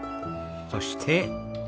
そして。